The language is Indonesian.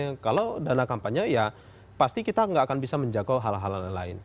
karena kalau dana kampanye ya pasti kita nggak akan bisa menjaga hal hal lain